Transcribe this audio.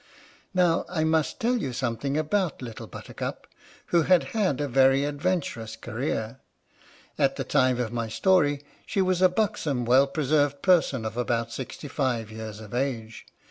Now I must tell you something about Little Buttercup, who had had a very adventurous career. At the time of my story, she was a buxom, well preserved person, about sixty five years of age.